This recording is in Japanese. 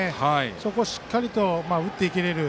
そこをしっかりと打っていける。